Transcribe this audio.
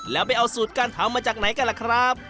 แล้วไปเอาสูตรการทำมาจากไหนกันล่ะครับ